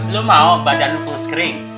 lo mau badan lo kurskering